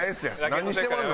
何してまんの？